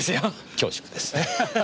恐縮です。